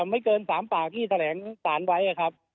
ไม่เกิน๓ปากที่แถลงสารไว้ครับ